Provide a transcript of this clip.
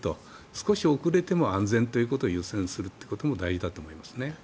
少し遅れても安全ということを優先することも大事だなと思いますね。